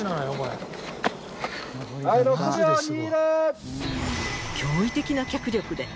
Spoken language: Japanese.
はい６秒２０。